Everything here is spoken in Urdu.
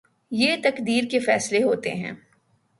یہ تقدیر کے فیصلے ہوتے ہیں۔